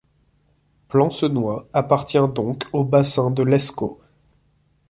Plancenoit appartient donc au bassin de l’Escaut.